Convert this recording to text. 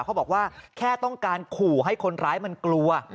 เขาบอกว่าแค่ต้องการขู่ให้คนร้ายมันกลัว